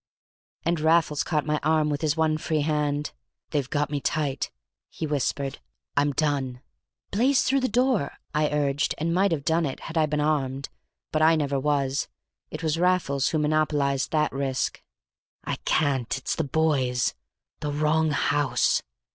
And Raffles caught my arm with his one free hand. "They've got me tight," he whispered. "I'm done." "Blaze through the door," I urged, and might have done it had I been armed. But I never was. It was Raffles who monopolized that risk. "I can't—it's the boys—the wrong house!"